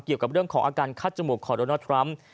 เกี่ยวกับเรื่องของอาการคัดจมูกของโดนัลดทรัมป์